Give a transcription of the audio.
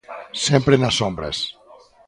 Sempre nas sombras.